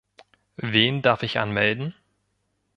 Wen darf ich anmelden?